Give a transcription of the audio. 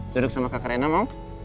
duduk sama kak rena mau